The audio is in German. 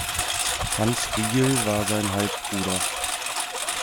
Hans Riehl war sein Halbbruder.